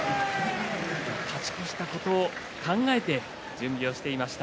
勝ち越したことを考えて準備していました。